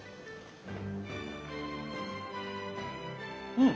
うん。